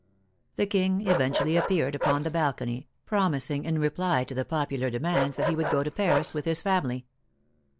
The King eventually appeared upon the balcony, promising in reply to the popular demands that he would go to Paris with his family.